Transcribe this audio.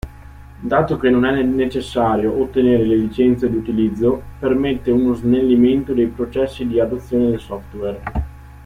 Dato che non è necessario ottenere le licenze d'utilizzo, permette uno snellimento dei processi di adozione del software.